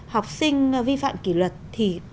học sinh vi phạm kỷ luật thì